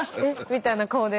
みたいな顔で。